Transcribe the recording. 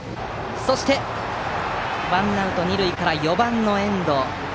そして、ワンアウト二塁から４番の遠藤。